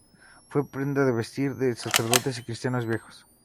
Fue prenda de vestir de sacerdotes y cristianos viejos.